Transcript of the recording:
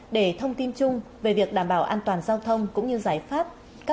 để thông tin chung về việc đảm bảo an toàn giao thông cũng như giải pháp